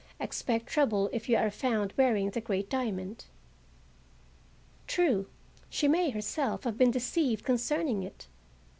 Expect trouble if you are found wearing the great diamond." True, she may herself have been deceived concerning it.